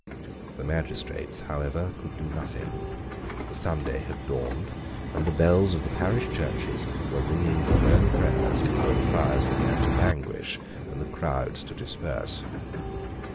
The magistrates, however, could do nothing. The Sunday had dawned, and the bells of the parish churches were ringing for early prayers, before the fires began to languish and the crowds to disperse.